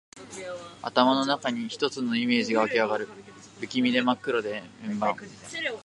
頭の中に一つのイメージが湧きあがる。不気味で真っ黒な円盤。